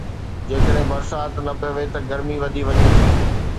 جيڪڏهن برسات نه پوي ته گرمي وڌي وڃي ٿي.